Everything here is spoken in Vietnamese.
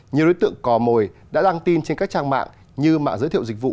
nhiều đối tượng cò mồi đã đăng tin trên các trang mạng như mạng giới thiệu dịch vụ